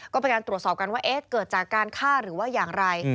ก็เป็นการตรวจสอบกันว่าเอ๊ะเกิดจากการฆ่าหรือว่าอย่างไร